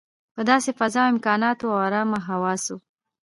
په داسې فضا، امکاناتو او ارامه حواسو.